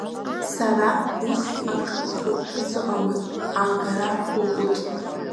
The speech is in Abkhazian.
Сара ус акы ыҟоуп ҳәа сыҟамызт, аагара уаҟәыҵ.